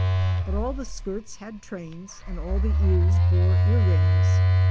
But all the skirts had trains and all ears bore ear rings.